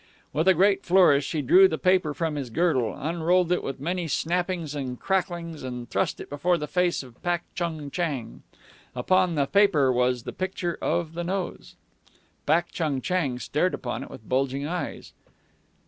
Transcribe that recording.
With a great flourish he drew a paper from his girdle, unrolled it with many snappings and cracklings, and thrust it before the face of Pak Chung Chang. Upon the paper was the picture of the nose. Pak Chung Chang stared upon it with bulging eyes.